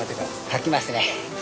書きますね。